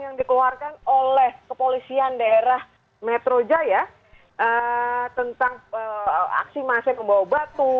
yang dikeluarkan oleh kepolisian daerah metro jaya tentang aksi massa yang membawa batu